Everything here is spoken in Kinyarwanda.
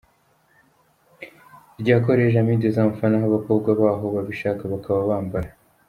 rya Collège Ami des Enfants naho abakobwa baho babishaka bakaba bambara.